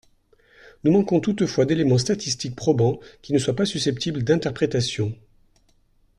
Nous manquons toutefois d’éléments statistiques probants, qui ne soient pas susceptibles d’interprétation.